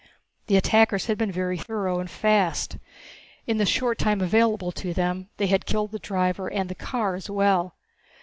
The attackers had been very thorough and fast. In the short time available to them they had killed the driver and the car as well.